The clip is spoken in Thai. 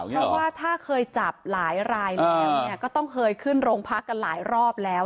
เพราะว่าถ้าเคยจับหลายรายแล้วก็ต้องเคยขึ้นโรงพักกันหลายรอบแล้ว